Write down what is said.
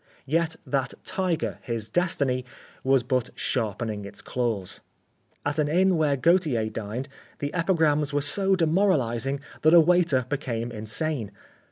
Yet that tiger, his destiny, was but sharpening its claws. At an inn where Gautier dined, the epigrams were so demoralising that a waiter became insane.